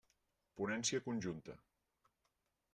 Ponència conjunta.